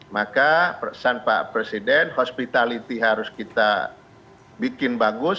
maka pesan pak presiden hospitality harus kita bikin bagus